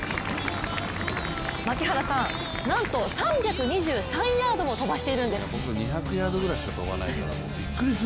槙原さん、なんと３２３ヤードも飛ばしているんです。